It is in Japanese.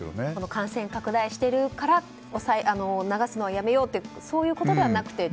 感染拡大しているから流すのはやめようということではなくてですね。